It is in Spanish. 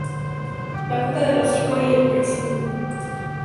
La punta del hocico y el premaxilar están rotos.